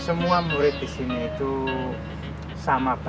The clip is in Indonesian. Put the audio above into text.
semua murid di sini itu sama bapak